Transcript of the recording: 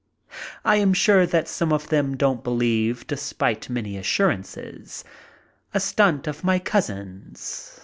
I am sure that some of them don't believe despite many assurances. A stunt of my cousin's.